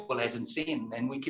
dan kita terus mengembangkan